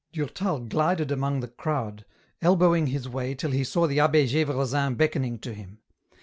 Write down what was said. Durtal glided among the crowd, elbowing his way till he saw the Abb^ G^vresin beckoning to him.